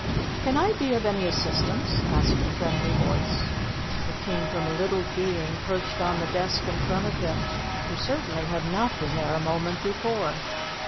"Can I be of any assistance?" asked a friendly voice. It came from a little being perched on the desk in front of him, who certainly had not been there a moment before.